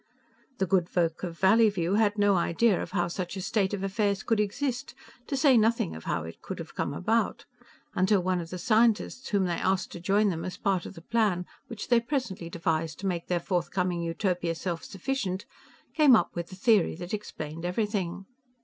The good folk of Valleyview had no idea of how such a state of affairs could exist, to say nothing of how it could have come about, till one of the scientists whom they asked to join them as a part of the plan which they presently devised to make their forthcoming utopia self sufficient, came up with a theory that explained everything.